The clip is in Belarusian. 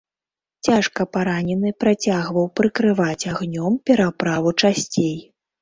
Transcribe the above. Цяжка паранены працягваў прыкрываць агнём пераправу часцей.